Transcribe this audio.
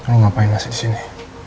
lo ngapain masih disini